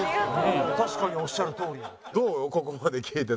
確かにおっしゃるとおり。